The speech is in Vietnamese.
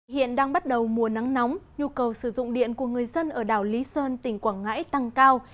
hiện đang bắt đầu mùa nắng nóng nhu cầu sử dụng điện của người dân ở đảo lý sơn tỉnh quảng ngãi tăng cao